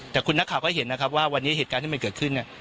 แต่คุณนักข่าวก็เห็นนะครับว่าวันนี้เหตุการณ์ที่มันเกิดขึ้นเนี่ย